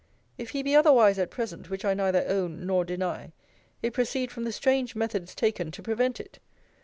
If he be otherwise at present, which I neither own, nor deny, it proceed from the strange methods taken to prevent it.